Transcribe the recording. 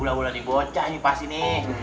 bula bula dibocah pasti nih